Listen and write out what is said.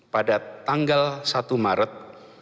pada tanggal satu maret